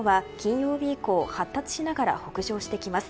台風７号は金曜日以降発達しながら北上してきます。